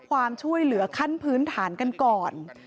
ความช่วยเหลือขั้นพื้นฐานกันก่อน